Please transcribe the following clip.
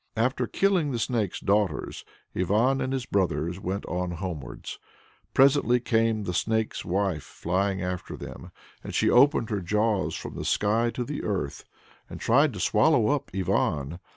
After killing the Snake's daughters, Ivan and his brothers went on homewards. Presently came the Snake's Wife flying after them, and she opened her jaws from the sky to the earth, and tried to swallow up Ivan.